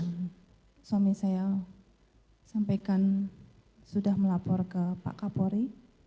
terus suami saya sampaikan sudah melapor ke pak kapori